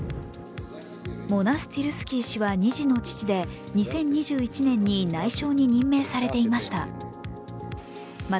モナスティルスキー氏は２児の父で２０２１年に内相に任命されていました。